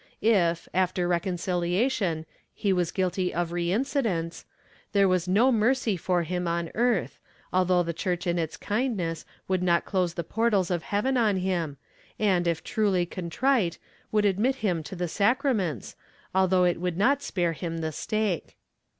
If, after reconciliation, he was guilty of reincidence, there was no mercy for him on earth, although the Church in its kindness, would not close the portals of heaven on him and, if truly contrite, would admit him to the sacraments, although it would not spare him the stake.